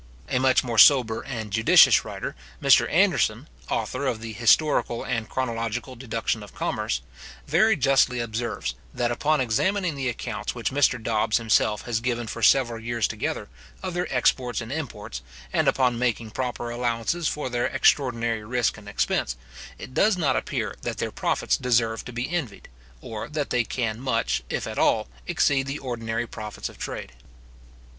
A much more sober and judicious writer, Mr Anderson, author of the Historical and Chronological Deduction of Commerce, very justly observes, that upon examining the accounts which Mr Dobbs himself has given for several years together, of their exports and imports, and upon making proper allowances for their extraordinary risk and expense, it does not appear that their profits deserve to be envied, or that they can much, if at all, exceed the ordinary profits of trade.